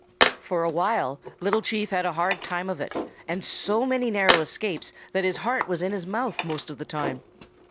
"For a while Little Chief had a hard time of it and so many narrow escapes that his heart was in his mouth most of the time.